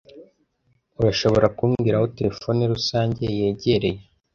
Urashobora kumbwira aho terefone rusange yegereye?